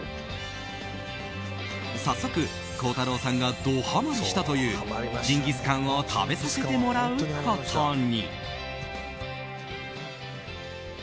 早速、孝太郎さんがドハマリしたというジンギスカンを食べさせてもらうことに。